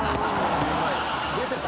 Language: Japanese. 出てた？